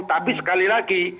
tapi sekali lagi